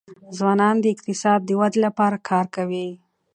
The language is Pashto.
ځوانان د اقتصاد د ودي لپاره کار کوي.